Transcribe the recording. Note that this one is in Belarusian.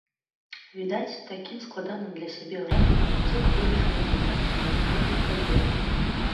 Відаць, такім складаным для сябе графікам музыка вырашыў развітацца з гастрольнай кар'ерай.